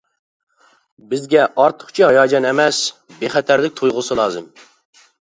بىزگە ئارتۇقچە ھاياجان ئەمەس، بىخەتەرلىك تۇيغۇسى لازىم.